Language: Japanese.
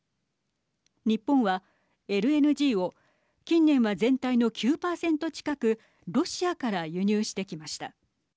日本はＬＮＧを近年は全体の９％近くロシアから輸入してきました。